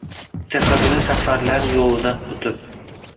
Sehrli safarlar yo’lidan o’tib